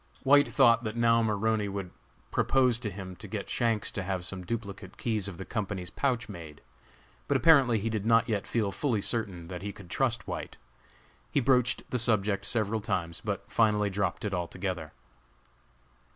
White thought that now Maroney would propose to him to get Shanks to have some duplicate keys of the company's pouch made; but apparently he did not yet feel fully certain that he could trust White. He broached the subject several times, but finally dropped it altogether.